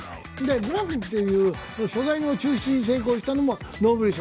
グラフェンという素材の抽出に成功したのがノーベル賞。